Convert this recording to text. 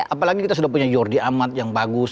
apalagi kita sudah punya jordi amat yang bagus